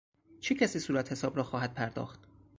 چه کسی صورتحساب را خواهد پرداخت؟